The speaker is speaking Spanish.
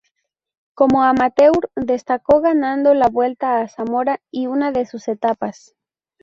Como amateur destacó ganando la Vuelta a Zamora y una de sus etapas.